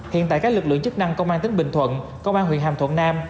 hiện tại các lực lượng chức năng công an tỉnh bình thuận công an huyện hàm thuận nam